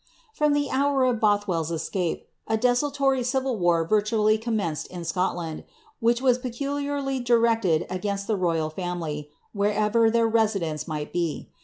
From the hour of Bothwcll'a escape, a desultory civil war virtualiv commenced in Scotland, which was peculiarly directed against the royal family, wherever their residence might be.